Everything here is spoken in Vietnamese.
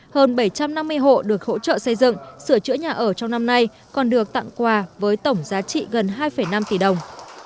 hơn bảy trăm năm mươi hộ được hỗ trợ xây dựng sửa chữa nhà ở trong năm nay còn được tặng quà với tổng giá trị gần hai năm tỷ đồng